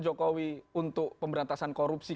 jokowi untuk pemberantasan korupsi